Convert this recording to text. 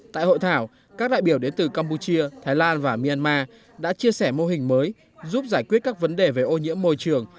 tại hội thảo các đại biểu đến từ campuchia thái lan và myanmar đã chia sẻ mô hình mới giúp giải quyết các vấn đề về ô nhiễm môi trường